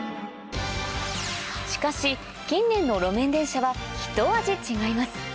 しかし近年の路面電車は一味違います